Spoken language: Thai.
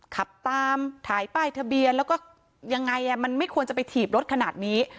ขับตามถ่ายป้ายทะเบียนแล้วก็ยังไงมันไม่ควรจะไปถีบรถขนาดนี้